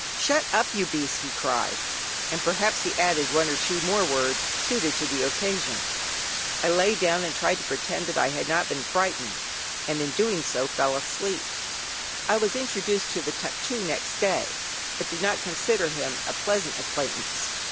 "Shut up you beast," he cried, and perhaps he added one or two more words suited to the occasion. I lay down and tried to pretend that I had not been frightened, and in doing so, fell asleep. I was introduced to the "Tuctoo" next day, but did not consider him a pleasant acquaintance.